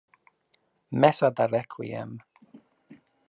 Messa da requiem